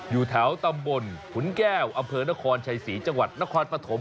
อยู่แถวตำบลฝุนแก้วอเภอนครณ์ชายสีจังหวัดนครณ์ปฐม